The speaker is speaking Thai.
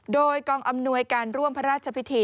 โดยกองอำนวยการร่วมพระราชพิธี